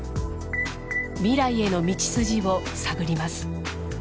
未来への道筋を探ります。